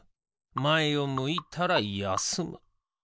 まえを向いたらやすむ。